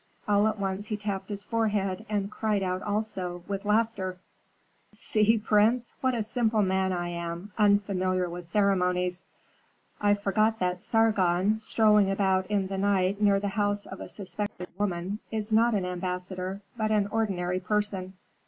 All at once he tapped his forehead, and cried out also, with laughter, "See, prince, what a simple man I am, unfamiliar with ceremonies. I forgot that Sargon, strolling about in the night near the house of a suspected woman, is not an ambassador, but an ordinary person."